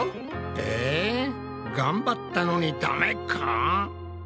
え頑張ったのにダメか？